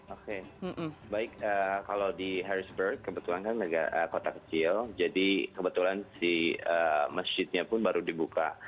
oke baik kalau di harrisburg kebetulan kan negara kota kecil jadi kebetulan si masjidnya pun baru dibuka